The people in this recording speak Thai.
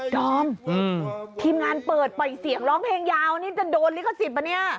ดอมทีมงานเปิดปล่อยเสียงร้องเพลงยาวนี่จะโดนลิขสิทธิปะเนี่ย